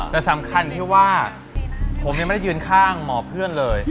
แต่สำคัญที่ว่าผมยังไม่ได้ยืนข้างหมอเพื่อนเลย